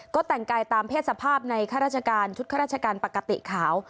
ก็แต่งกายตามเพศสภาพในชุดข้าราชการปกติขาว